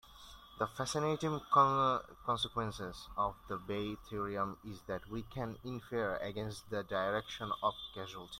The fascinating consequence of Bayes' theorem is that we can infer against the direction of causality.